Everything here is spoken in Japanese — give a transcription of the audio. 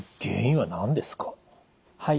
はい。